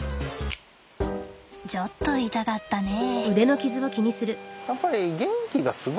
ちょっと痛かったね。